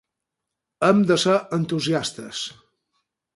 Hem de ser entusiastes.